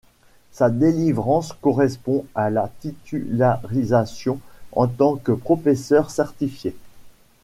Sa délivrance correspond à la titularisation en tant que professeur certifié.